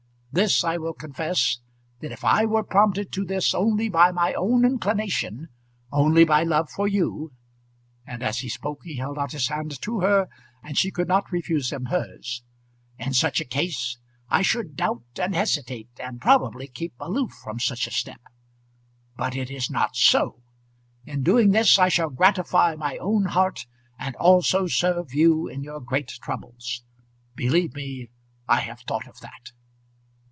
This I will confess, that if I were prompted to this only by my own inclination, only by love for you " and as he spoke he held out his hand to her, and she could not refuse him hers "in such a case I should doubt and hesitate and probably keep aloof from such a step. But it is not so. In doing this I shall gratify my own heart, and also serve you in your great troubles. Believe me, I have thought of that."